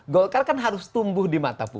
golkar kan harus tumbuh di matahari